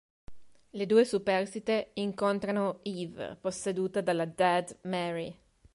Le due superstite incontrano Eve, posseduta dalla Dead Mary.